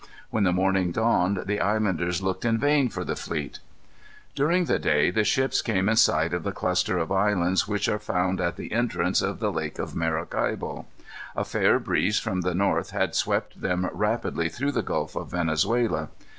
When the morning dawned the islanders looked in vain for the fleet. During the day the ships came in sight of the cluster of islands which are found at the entrance of the Lake of Maracaibo. A fair breeze from the north had swept them rapidly through the Gulf of Venezuela.